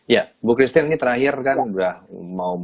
ya ibu christine ini terakhir kan sudah mau empat belas tiga puluh